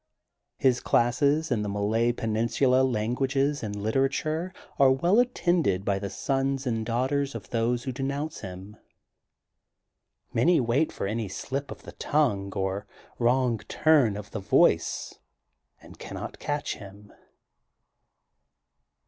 His classes in the Malay Peninsula languages and literature are well attended by the sons and daughters of those who denounce him. Many wait for any sHp of the tongue or wrong turn of the voice and cannot catch him.